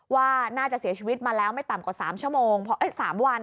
ว่าน่าจะเสียชีวิตมาแล้วไม่ต่ำกว่า๓วัน